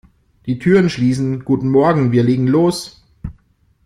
Die Türen schließen - Guten morgen, wir legen los!